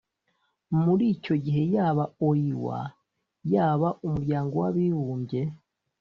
muri icyo gihe, yaba oua, yaba umuryango w'abibumbye